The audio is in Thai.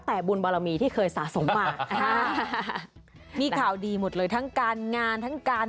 แต่บุญบารมีที่เคยสะสมมาอ่ามีข่าวดีหมดเลยทั้งการงานทั้งการ